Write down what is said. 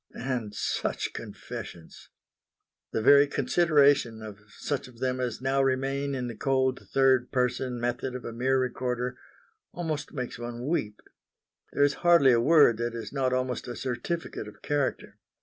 And such confessions! The very consideration of such of them as now remain in the cold third person method of a mere recorder, almost makes one weep; there is hardly a word that is not almost a certificate of character.